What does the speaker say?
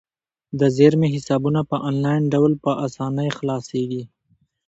د زیرمې حسابونه په انلاین ډول په اسانۍ خلاصیږي.